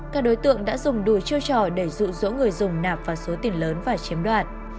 các đối tượng đã dùng đủ chiêu trò để dụ dỗ người dùng nạp vào số tiền lớn và chiếm đoạt